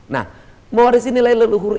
nah mewarisi nilai leluhur